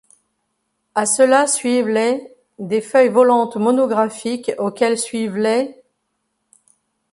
À cela suivent les ', des feuilles volantes monographiques auxquelles suivent les '.